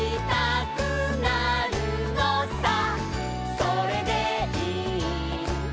「それでいいんだ」